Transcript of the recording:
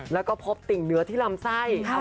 แล้วก็พบติ่งเนื้อที่ลำไส้